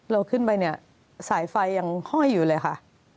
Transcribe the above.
เราขึ้นไปเนี่ยสายไฟยังห้อยอยู่เลยค่ะ